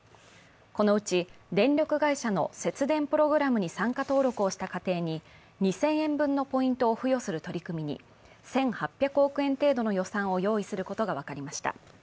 このうち、電力会社の節電プログラムに参加登録をした家庭に２０００円分のポイントを付与する取り組みに１８００億円程度の予算を用意することが分かりました。